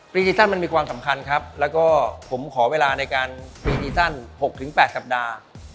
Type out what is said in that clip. ปีที่สั้นมันมีความสำคัญครับแล้วก็ผมขอเวลาในการปีที่สั้น๖๘สัปดาห์